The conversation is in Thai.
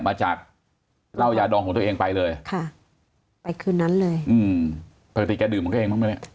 มาจากเหล้ายาดองของตัวเองไปเลยค่ะไปคืนนั้นเลยอืมปกติแกดื่มของแกเองบ้างไหมเนี่ย